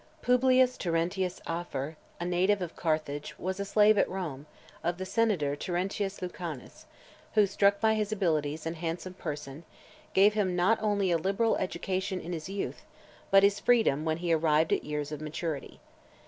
Publius Terentius Afer, a native of Carthage, was a slave, at Rome, of the senator Terentius Lucanus, who, struck by his abilities and handsome person, gave him not only a liberal education in his youth, but his freedom when he arrived at years of maturity.